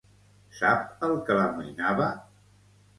Sap el que l'amoïnava?